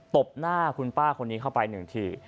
บหน้าคุณป้าคนนี้เข้าไปหนึ่งที